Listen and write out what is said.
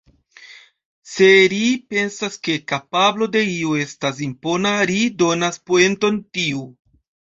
Se ri pensas ke kapablo de iu estas impona, ri donas poenton tiu.